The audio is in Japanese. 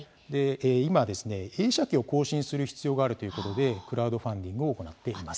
今ですね、映写機を更新する必要があるということでクラウドファンディングを行っています。